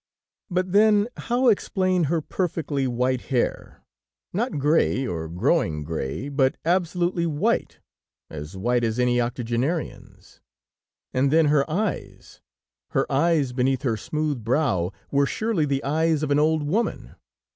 But then, how explain her perfectly white hair, not gray or growing gray, but absolutely white, as white as any octogenarian's? And then her eyes, her eyes beneath her smooth brow, were surely the eyes of an old woman?